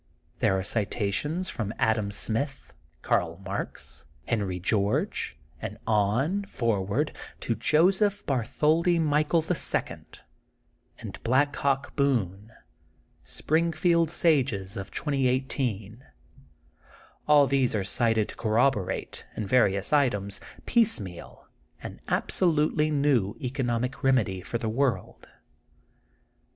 There are citations from Adam Smith, Earl Marx, Henry George, and on, forward, to Joseph Bartholdi Michael the second, and Black Hawk Boone, — Springfield sages of 2018. All these are cited to corrobo rate, in various items, piecemeal, an abso lutely new economic remedy for the world.